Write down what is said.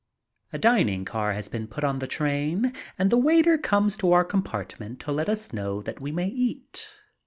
A dining car has been put on the train and the waiter comes to our compartment to let us know that we may eat.